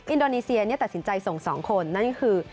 อินโดนีเซียตัดสินใจส่ง๒คนนั่นก็คือ